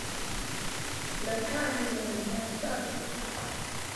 Ndatangira nyuma ya saa sita.